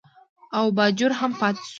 او باجوړ هم پاتې شو.